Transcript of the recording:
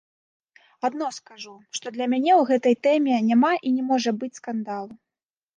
Адно скажу, што для мяне ў гэтай тэме няма і не можа быць скандалу.